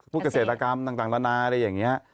เกษตรกรรมต่างนานาอะไรอย่างนี้